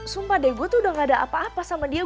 sumpah deh gue tuh udah gak ada apa apa sama dia